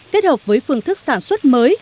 kết hợp với phương thức sản xuất mới hiện đại